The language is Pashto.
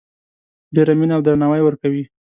ډیره مینه او درناوی ورکوي